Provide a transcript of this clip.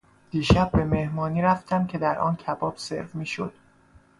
دیشب به مهمانی رفتم که در آن کباب سرو میشد.